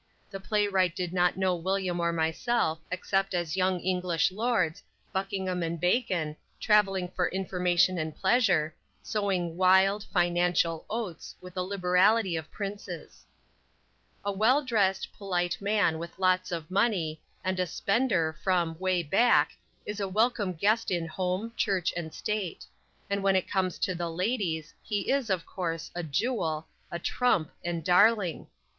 The playwright did not know William or myself, except as young English lords "Buckingham" and "Bacon," traveling for information and pleasure, sowing "wild," financial "oats" with the liberality of princes. A well dressed, polite man, with lots of money, and a "spender" from "way back" is a welcome guest in home, church and state; and when it comes to the "ladies," he is, of course, "a jewel," "a trump" and "darling."